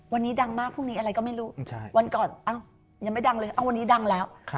วันนี้ดังมากพรุ่งนี้อะไรก็ไม่รู้วันก่อนยังไม่ดังเลยวันนี้ดังแล้ว